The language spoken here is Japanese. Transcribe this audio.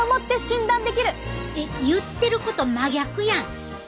えっ言ってること真逆やん！